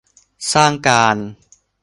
สร้างการ